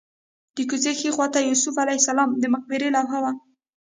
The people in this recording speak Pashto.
د کوڅې ښي خوا ته د یوسف علیه السلام د مقبرې لوحه وه.